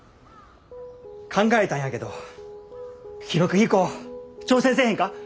考えたんやけど記録飛行挑戦せえへんか？